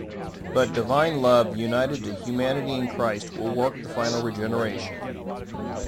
But divine love, united to humanity in Christ, will work the final regeneration.